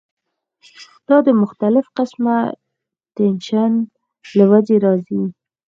دا د مختلف قسمه ټېنشن له وجې راځی